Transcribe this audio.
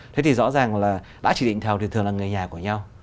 thế thì rõ ràng là đã chỉ định thầu thì thường là người nhà của nhau